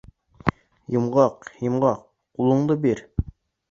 — Йомғаҡ, Йомғаҡ, ҡулыңды бир!